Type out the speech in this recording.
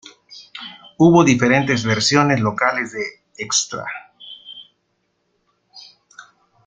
Hubo diferentes versiones locales de 'Xtra!